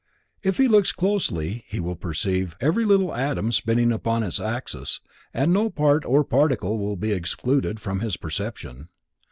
If he looks closely, he will perceive every little atom spinning upon its axis and no part or particle will be excluded from his perception.